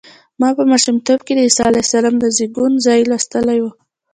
ما په ماشومتوب کې د عیسی علیه السلام د زېږون ځای لوستی و.